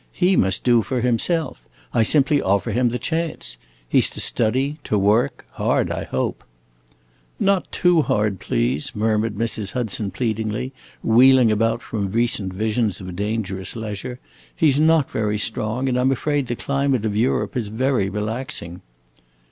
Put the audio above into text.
He must do for himself. I simply offer him the chance. He 's to study, to work hard, I hope." "Not too hard, please," murmured Mrs. Hudson, pleadingly, wheeling about from recent visions of dangerous leisure. "He 's not very strong, and I 'm afraid the climate of Europe is very relaxing."